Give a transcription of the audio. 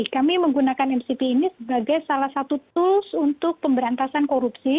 kami menggunakan mcp ini sebagai salah satu tools untuk pemberantasan korupsi